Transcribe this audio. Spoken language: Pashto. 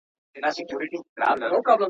چرګه زما ده او هګۍ د بل کره اچوي `